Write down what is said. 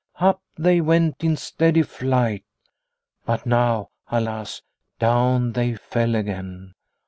Up they went in steady flight, but now, alas, down they fell again.